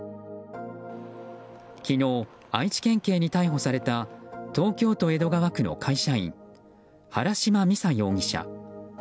昨日、愛知県警に逮捕された東京都江戸川区の会社員原島美佐容疑者。